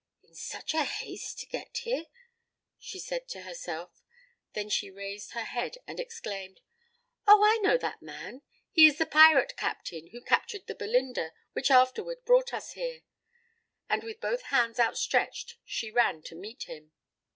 "In such haste to get here!" she said to herself; then she raised her head and exclaimed: "Oh, I know that man; he is the pirate captain who captured the Belinda, which afterward brought us here." And with both hands outstretched, she ran to meet him.